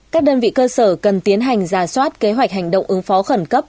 các đơn vị cơ sở cần tiến hành ra soát kế hoạch hành động ứng phó khẩn cấp